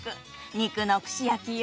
肉の串焼きよ。